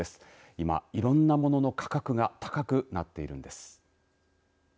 今、いろんな物の価格が高くなっているんです。